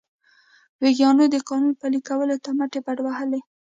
ویګیانو د قانون پلي کولو ته مټې بډ وهلې.